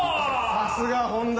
さすが本多。